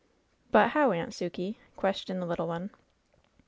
"But how, Aimt Sukey ?" questioned the little one.